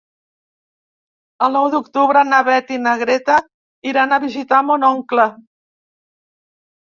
El nou d'octubre na Beth i na Greta iran a visitar mon oncle.